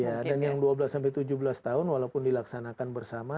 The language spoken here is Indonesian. dan yang dua belas sampai tujuh belas tahun walaupun dilaksanakan bersama